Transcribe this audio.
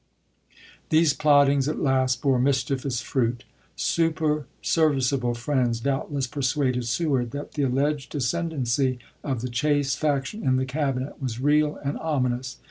These plottings at last bore mischievous fruit. Superserviceable friends doubtless persuaded Sew ard that the alleged ascendency of the Chase faction in the Cabinet was real and ominous.